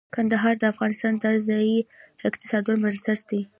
کندهار د افغانستان د ځایي اقتصادونو بنسټ دی.